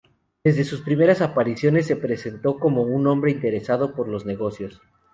Desde sus primeras apariciones se presentó como un hombre interesado por los negocios.